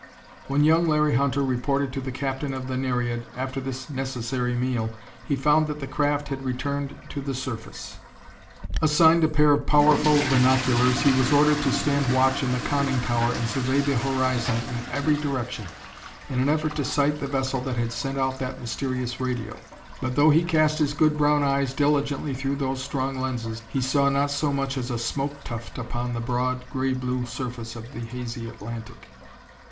When young Larry Hunter reported to the captain of the Nereid, after this necessary meal, he found that the craft had returned to the surface. Assigned a pair of powerful binoculars, he was ordered to stand watch in the conning tower and survey the horizon in every direction, in an effort to sight the vessel that had sent out that mysterious radio, but though he cast his good brown eyes diligently through those strong lenses, he saw not so much as a smoke tuft upon the broad, gray blue surface of the hazy Atlantic.